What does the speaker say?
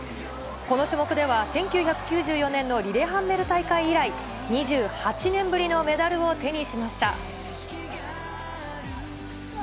この種目では、１９９４年のリレハンメル大会以来、２８年ぶりのメダルを手にしました。